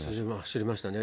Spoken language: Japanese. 知りましたね。